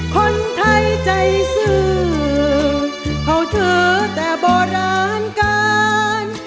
คนไทยใจสืบเขาเธอแต่โบราณกาล